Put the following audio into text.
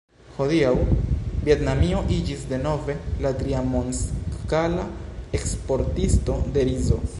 Hodiaŭ Vjetnamio iĝis denove la tria mondskala eksportisto de rizo.